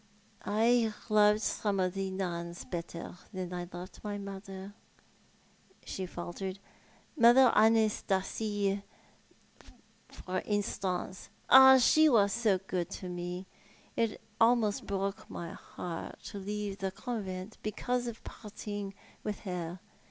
" I loved some of the nuns better than I loved my mother," she faltered. " Mother Anastasie, for instance. Ah, she was so good to me. It almost broke my heart to leave the convent, because of parting with her.